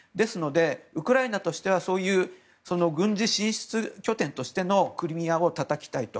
ウクライナとしては軍事進出拠点としてのクリミアをたたきたいと。